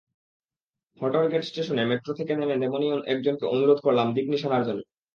হটরগেট স্টেশনে মেট্রো থেকে নেমে তেমনই একজনকে অনুরোধ করলাম দিক-নিশানার জন্য।